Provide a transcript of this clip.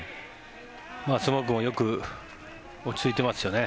スモークもよく落ち着いていますよね。